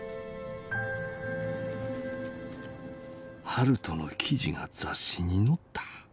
「悠人の記事が雑誌に載った。